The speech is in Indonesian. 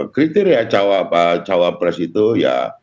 kriteria cawapres itu ya